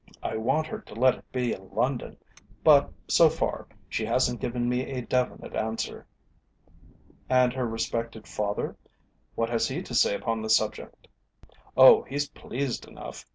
I want her to let it be in London, but, so far, she hasn't given me a definite answer." "And her respected father? What has he to say upon the subject?" "Oh, he's pleased enough.